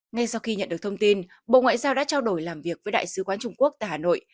ngay sau khi nhận được thông tin bộ ngoại giao đã trao đổi làm việc với đại sứ quán trung quốc tại hà nội